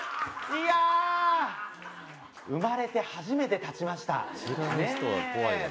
いや生まれて初めて立ちましたねえ